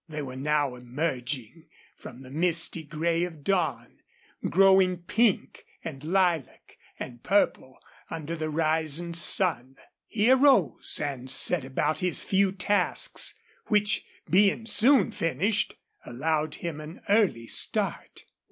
They were now emerging from the misty gray of dawn, growing pink and lilac and purple under the rising sun. He arose and set about his few tasks, which, being soon finished, allowed him an early start.